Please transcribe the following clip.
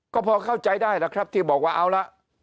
ก็พอเข้าใจได้แหละครับที่บอกว่าเอาละ